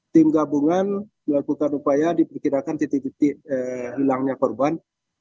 tim gabungan melakukan upaya diperkirakan titik titik hilangnya korban